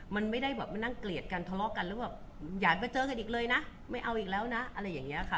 มันไม่ได้แบบมานั่งเกลียดกันทะเลาะกันแล้วแบบอย่าไปเจอกันอีกเลยนะไม่เอาอีกแล้วนะอะไรอย่างนี้ค่ะ